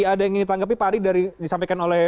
ada yang ingin ditanggapi pak ari dari disampaikan oleh